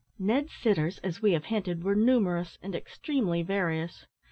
Ned's sitters, as we have hinted, were numerous and extremely various.